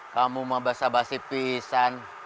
kamu mau basa basi pisan